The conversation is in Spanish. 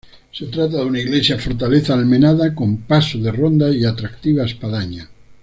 Se trata de una iglesia-fortaleza almenada, con paso de ronda y atractiva espadaña.